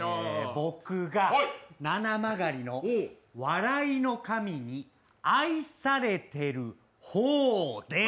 僕が、ななまがりの笑いの神に愛されてる方です。